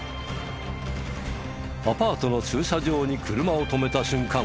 アパートの駐車場に車を止めた瞬間